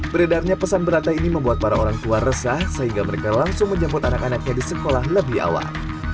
beredarnya pesan berata ini membuat para orang tua resah sehingga mereka langsung menjemput anak anaknya di sekolah lebih awal